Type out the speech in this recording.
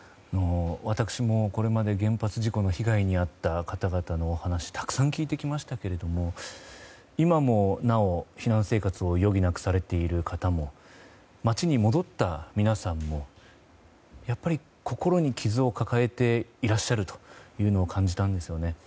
私もこれまで原発事故の被害に遭った方々のお話をたくさん聞いてきましたけれども今もなお、避難生活を余儀なくされている方も街に戻った皆さんも心に傷を抱えていらっしゃるというのを感じたんですね。